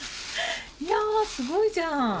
いやすごいじゃん。